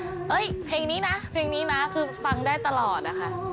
เฮ้ยเพลงนี้นะเพลงนี้นะคือฟังได้ตลอดอะค่ะ